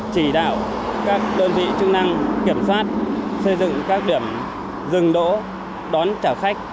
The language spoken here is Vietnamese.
chỉ đạo các đơn vị chức năng kiểm soát xây dựng các điểm dừng đỗ đón trả khách